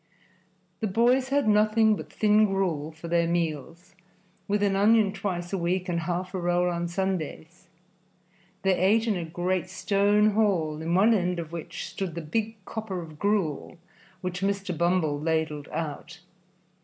The boys had nothing but thin gruel for their meals, with an onion twice a week and half a roll on Sundays. They ate in a great stone hall, in one end of which stood the big copper of gruel which Mr. Bumble ladled out.